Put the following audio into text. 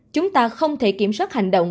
chúng ta không thể kiểm soát hành động